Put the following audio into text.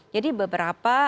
jadi beberapa akun